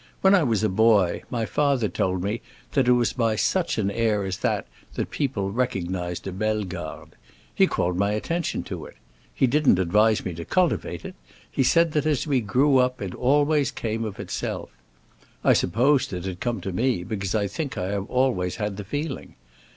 When I was a boy, my father told me that it was by such an air as that that people recognized a Bellegarde. He called my attention to it. He didn't advise me to cultivate it; he said that as we grew up it always came of itself. I supposed it had come to me, because I think I have always had the feeling.